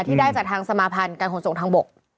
ที่ได้จากทางสมาพันธ์การขนส่งทางบก